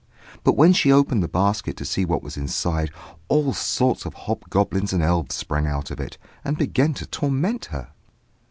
But when she opened the basket to see what was inside, all sorts of hobgoblins and elves sprang out of it, and began to torment her.